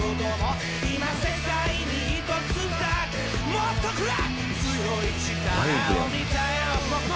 もっとくれ！